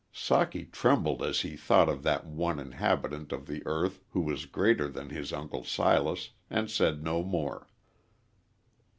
Socky trembled as he thought of that one inhabitant of the earth who was greater than his Uncle Silas and said no more.